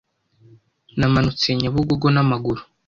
Namanutse Nyabugogo namaguru